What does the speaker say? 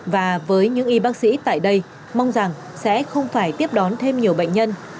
và với những y bác sĩ tại đây mong rằng sẽ không phải tiếp đón thêm nhiều bệnh nhân